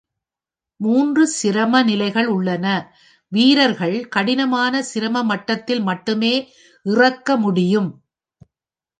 மூன்று சிரம நிலைகள் உள்ளன; வீரர்கள் கடினமான சிரம மட்டத்தில் மட்டுமே "இறக்க" முடியும்.